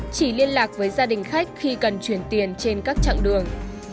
chỉ liên lạc với gia đình khách khi cần chuyển tiền trên các chặng đường